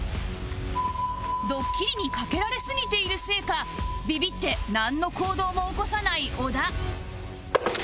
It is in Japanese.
ドッキリにかけられすぎているせいかビビってなんの行動も起こさない小田